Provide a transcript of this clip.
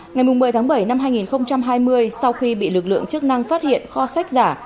ngày một mươi tháng bảy năm hai nghìn hai mươi sau khi bị lực lượng chức năng phát hiện kho sách giả